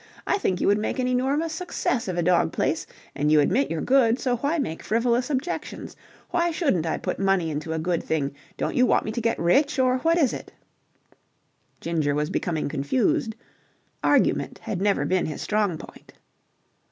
I think you would make an enormous success of a dog place, and you admit you're good, so why make frivolous objections? Why shouldn't I put money into a good thing? Don't you want me to get rich, or what is it?" Ginger was becoming confused. Argument had never been his strong point.